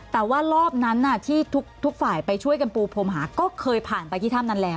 แต่ว่ารอบนั้นที่ทุกฝ่ายไปช่วยกันปูพรมหาก็เคยผ่านไปที่ถ้ำนั้นแล้ว